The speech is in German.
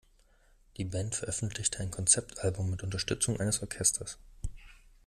Die Band veröffentlichte ein Konzeptalbum mit Unterstützung eines Orchesters.